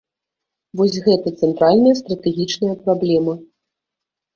Вось гэта цэнтральная стратэгічная праблема.